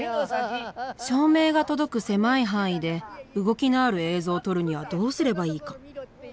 照明が届く狭い範囲で動きのある映像を撮るにはどうすればいいか。